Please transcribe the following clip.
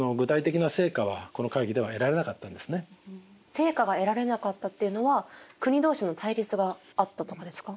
成果が得られなかったっていうのは国同士の対立があったとかですか？